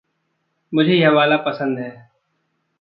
मुझे यह वाला पसंद है।